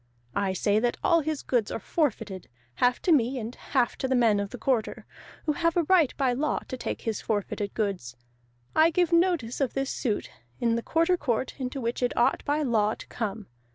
I say that all his goods are forfeited, half to me, and half to the men of the Quarter, who have a right by law to take his forfeited goods; I give notice of this suit in the Quarter Court into which it ought by law to come.